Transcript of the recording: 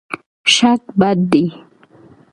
شک بد دی.